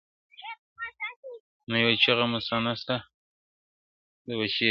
نه یوه چېغه مستانه سته زه به چیري ځمه-